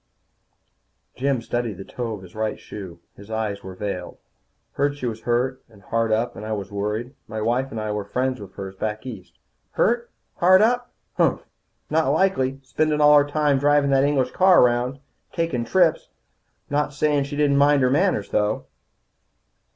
Jim studied the toe of his right shoe. His eyes were veiled. "I heard she was hurt, and hard up, and I was worried. My wife and I were friends of hers back east." "Hurt, hard up? Humph! Not likely, spendin' all her time drivin' that English car around. Takin' trips. I'm not sayin' she didn't mind her manners, though."